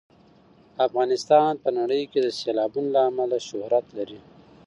افغانستان په نړۍ کې د سیلابونو له امله شهرت لري.